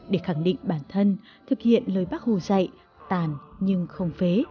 để khẳng định bản thân thực hiện lời bác hồ dạy tàn nhưng không phế